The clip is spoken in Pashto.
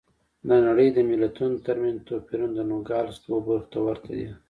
د نړۍ د ملتونو ترمنځ توپیرونه د نوګالس دوو برخو ته ورته دي.